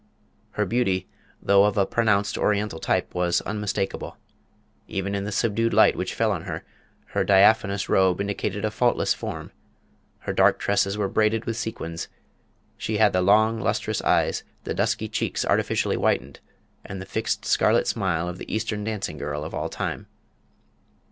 Her beauty, though of a pronounced Oriental type, was unmistakable, even in the subdued light which fell on her; her diaphanous robe indicated a faultless form; her dark tresses were braided with sequins; she had the long, lustrous eyes, the dusky cheeks artificially whitened, and the fixed scarlet smile of the Eastern dancing girl of all time.